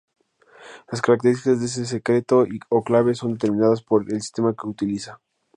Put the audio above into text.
Las características de este secreto o clave son determinadas por el sistema que utiliza.